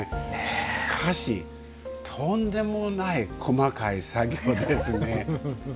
しかし、とんでもない細かい作業ですね。